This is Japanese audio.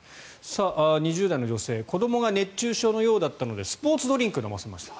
２０代の女性子どもが熱中症のようだったのでスポーツドリンクを飲ませました。